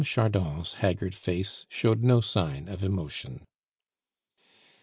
Chardon's haggard face showed no sign of emotion.